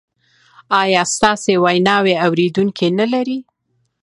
ایا ستاسو ویناوې اوریدونکي نلري؟